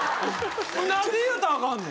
何で言うたらあかんの？